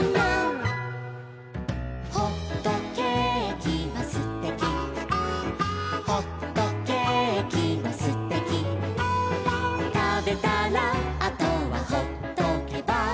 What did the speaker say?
「ほっとけーきはすてき」「ほっとけーきはすてき」「たべたらあとはほっとけば」